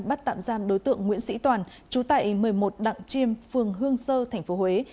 bắt tạm giam đối tượng nguyễn sĩ toàn chú tại một mươi một đặng chiêm phường hương sơ tp huế